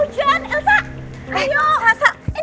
elsa elsa ayo berteduh hujan